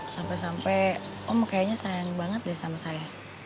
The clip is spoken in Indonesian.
sampai sampai om kayaknya sayang banget deh sama saya